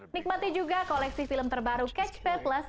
nikmati juga koleksi film terbaru catch play plus